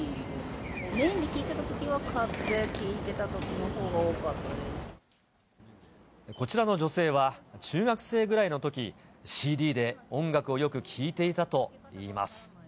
メインで聴いてたときは、買って聴いてたときのほうが多かったでこちらの女性は中学生ぐらいのとき、ＣＤで音楽をよく聴いていたといいます。